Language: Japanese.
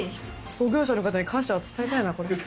創業者の方に感謝伝えたいな。